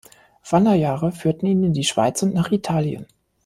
Wanderjahre führten ihn in die Schweiz und nach Italien.